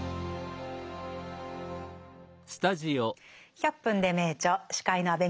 「１００分ｄｅ名著」司会の安部みちこです。